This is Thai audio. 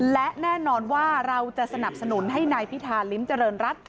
และแน่นอนว่าเราจะสนับสนุนให้นายพิธาลิ้มเจริญรัฐ